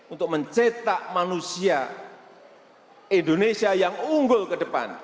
untuk mencetak manusia indonesia yang unggul ke depan